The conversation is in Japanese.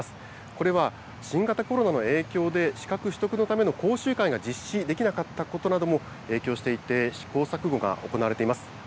これは新型コロナの影響で資格取得のための講習会が実施できなかったことなども影響していて、試行錯誤が行われています。